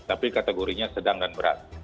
tapi kategorinya sedang dan berat